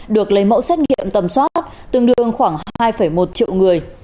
được lấy mẫu xét nghiệm tầm soát tương đương khoảng hai một triệu người